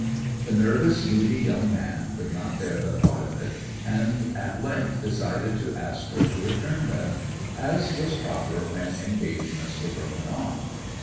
'The nervous, moody young man could not bear the thought of it, and at length decided to ask her to return them, as was proper when engagements were broken off.